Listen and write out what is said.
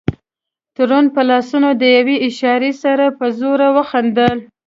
تورن په لاسونو د یوې اشارې سره په زوره وخندل.